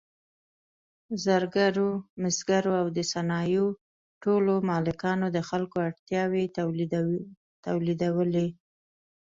زرګرو، مسګرو او د صنایعو ټولو مالکانو د خلکو اړتیاوې تولیدولې.